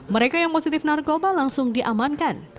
mereka yang positif narkoba langsung diamankan